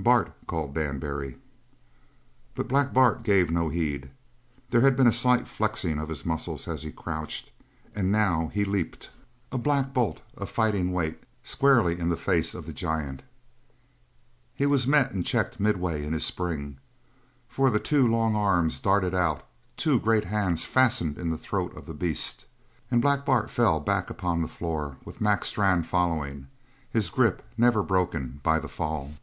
"Bart!" called Dan Barry. But Black Bart gave no heed. There had been a slight flexing of his muscles as he crouched, and now he leaped a black bolt of fighting weight squarely in the face of the giant. He was met and checked midway in his spring. For the two long arms darted out, two great hands fastened in the throat of the beast, and Black Bart fell back upon the floor, with Mac Strann following, his grip never broken by the fall.